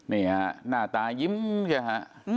นี่ฮะหน้าตายิ้มพี่ฮะ